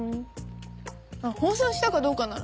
あっ放送したかどうかなら。